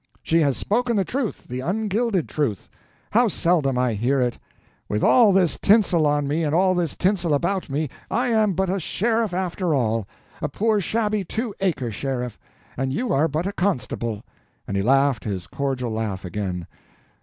She has spoken the truth, the ungilded truth—how seldom I hear it! With all this tinsel on me and all this tinsel about me, I am but a sheriff after all—a poor shabby two acre sheriff—and you are but a constable," and he laughed his cordial laugh again.